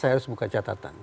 saya harus buka catatan